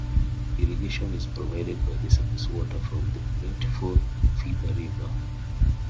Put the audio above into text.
Irrigation is provided by surface water from the plentiful Feather River.